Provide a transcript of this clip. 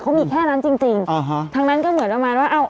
เขามีแค่นั้นจริงจริงอ่าฮะทั้งนั้นก็เหมือนประมาณว่าอ้าว